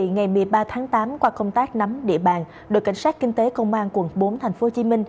ngày một mươi ba tháng tám qua công tác nắm địa bàn đội cảnh sát kinh tế công an quận bốn tp hcm